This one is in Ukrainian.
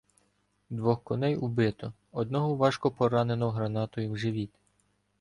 Двох коней убито, одного важко поранено гранатою в живіт.